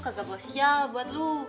kagak gue sial buat lo